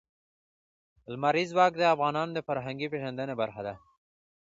لمریز ځواک د افغانانو د فرهنګي پیژندنې برخه ده.